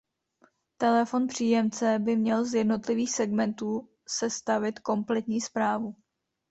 Telefon příjemce by měl z jednotlivých segmentů sestavit kompletní zprávu.